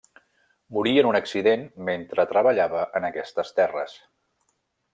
Morí en un accident mentre treballava en aquestes terres.